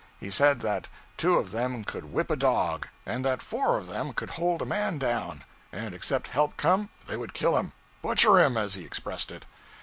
He said that two of them could whip a dog, and that four of them could hold a man down; and except help come, they would kill him 'butcher him,' as he expressed it.